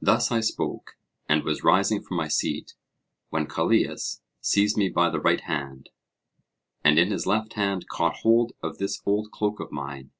Thus I spoke, and was rising from my seat, when Callias seized me by the right hand, and in his left hand caught hold of this old cloak of mine.